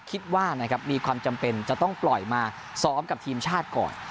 คิดว่านะครับมีความจำเป็นจะต้องปล่อยมาซ้อมกับทีมชาติก่อน